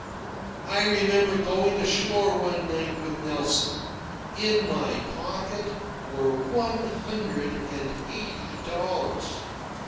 I remember going ashore one night with Nelson. In my pocket were one hundred and eighty dollars.